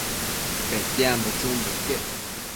Petiambo chumbo iquec